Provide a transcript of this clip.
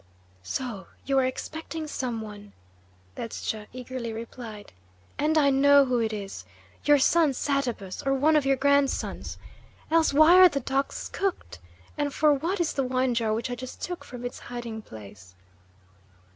"So you are expecting some one," Ledscha eagerly replied. "And I know who it is. Your son Satabus, or one of your grandsons. Else why are the ducks cooked? And for what is the wine jar which I just took from its hiding place?"